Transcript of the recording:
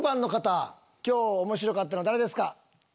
今日面白かったの誰ですか？